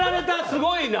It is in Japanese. すごいな。